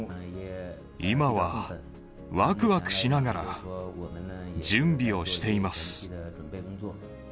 今はわくわくしながら準備をしています。